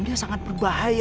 dia sangat berbahaya